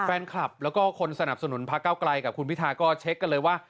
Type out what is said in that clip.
แฟนคลับแล้วก็คนสนับสนุนพระเก้าไกลกับคุณพิทาก็เช็คกันเลยว่า